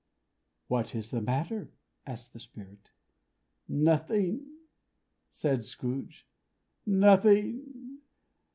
"What is the matter?" asked the Spirit. "Nothing," said Scrooge. "Nothing.